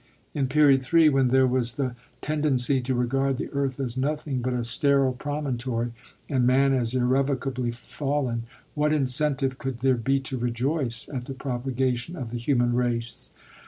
In Period III., when there was the ten dency to regard the earth as nothing but a sterile pro montory, and man as irrevocably fallen, what incentive could there be to rejoice at the propagation of the human race